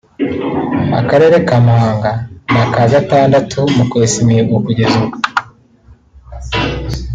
Akarere ka Muhanga ni aka gatandatu mu kwesa imihigo kugeza ubu